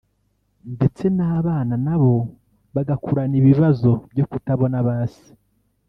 ndetse n’abana nabo bagakurana ibibazo byo kutabona ba se